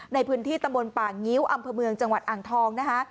ในพื้นที่ตำบลป่างิ้วอำเภอเมืองจังหวัดอ่างทองนะคะ